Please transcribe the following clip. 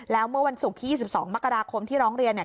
แล้วเมื่อวันศุกร์ที่๒๒มกราคมที่ร้องเรียนเนี่ย